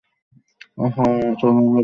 আহ, চলো আমরা বিয়ে করি।